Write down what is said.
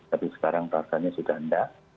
tapi sekarang tatanya sudah enggak